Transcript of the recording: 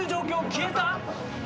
消えた？